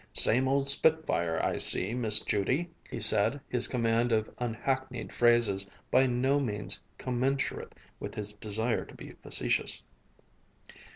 "Same old spitfire, I see, Miss Judy," he said, his command of unhackneyed phrases by no means commensurate with his desire to be facetious.